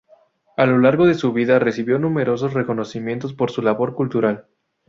A lo largo de su vida recibió numerosos reconocimientos por su labor cultural.